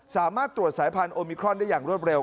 สามารถตรวจสายพันธุมิครอนได้อย่างรวดเร็